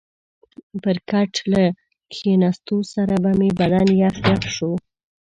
پر کټ له کښېنستو سره به مې بدن یخ یخ شو.